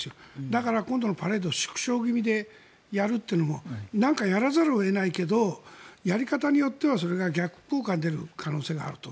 だから、今度のパレードを縮小気味でやるというのもなんかやらざるを得ないけどやり方によってはそれが逆効果に出る可能性があると。